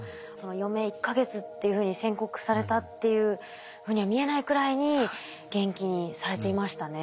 余命１か月っていうふうに宣告されたっていうふうには見えないくらいに元気にされていましたね。